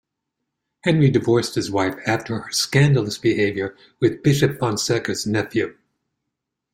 Henry divorced his wife after her scandalous behavior with Bishop Fonseca's nephew.